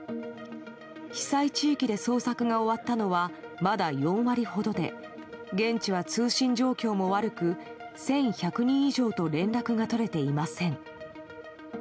被災地域で捜索が終わったのはまだ４割ほどで現地は通信状況も悪く１１００人以上と連絡が取れていません。